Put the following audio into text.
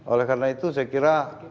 oleh karena itu saya kira